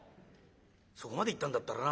そこまで行ったんだったらな